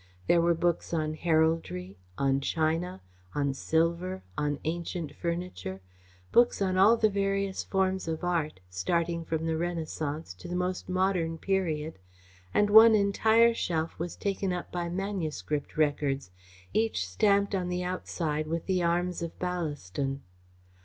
There were books on heraldry, on china, on silver, on ancient furniture, books on all the various forms of art, starting from the Renaissance, to the most modern period, and one entire shelf was taken up by manuscript records, each stamped on the outside with the arms of Ballaston.